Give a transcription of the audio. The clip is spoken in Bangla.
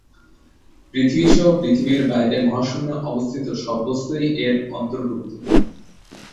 পৃথিবী সহ পৃথিবীর বাইরে মহাশূন্যে অবস্থিত সব বস্তুই এর অন্তর্ভুক্ত।